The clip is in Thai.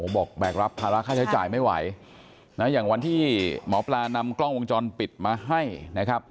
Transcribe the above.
บอกแบกรับภาระค่าใช้จ่ายไม่ไหวนะอย่างวันที่หมอปลานำกล้องวงจรปิดมาให้นะครับ